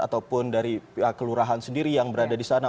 ataupun dari kelurahan sendiri yang berada di sana